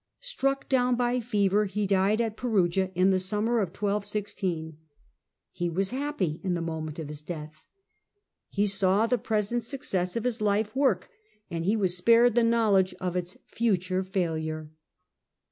Struck down by fever, he died at Perugia in the Death of summer of 1216. He was happy in the moment of his iii:%^2i6 death. He saw the present success of his life work and he was spared the knowledge of its future failure.